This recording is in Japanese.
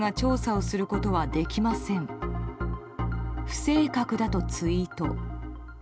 不正確だとツイート。